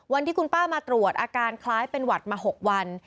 วันที่คุณป้ามาตรวจอาการคล้ายเป็นหวัดมา๖วัน